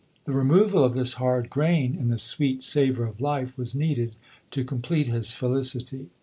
The removal of this hard grain in the sweet savour of life was needed to complete his felicity.